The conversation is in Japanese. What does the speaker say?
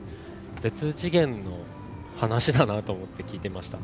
別次元の話だなと思って聞いていました。